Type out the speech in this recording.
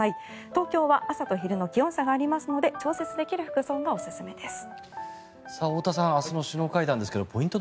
東京は朝と昼の気温差がありますので調節できる服装がおすすめです。